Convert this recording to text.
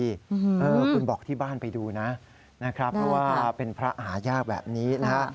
คุณบอกที่บ้านนะครับเพราะว่าเป็นพระหายากแบบนี้